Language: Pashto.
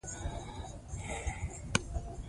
افغانستان په اوښ باندې تکیه لري.